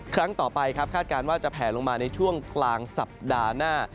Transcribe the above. ครั้งต่อไปครับคาดการณ์ว่าจะแผลลงมาในช่วงกลางสัปดาห์หน้า